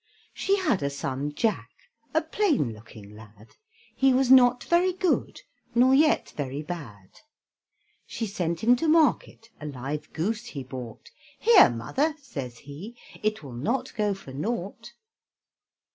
She had a son Jack, A plain looking lad; He was not very good, Nor yet very bad. She sent him to market, A live goose he bought: "Here! mother," says he, "It will not go for nought."